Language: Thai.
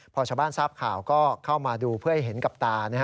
พอชาวบ้านทราบข่าวก็เข้ามาดูเพื่อให้เห็นกับตา